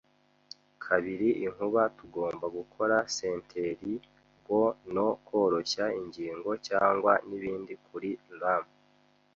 kabiri, inkuba! Tugomba gukora senteri-go no koroshya ingingo cyangwa nibindi kuri rum.